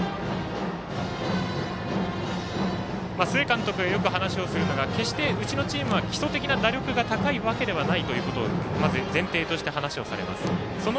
須江監督がよく話をするのは決してうちのチームは基礎的な打力が高いわけではないとまず前提として、話をされます。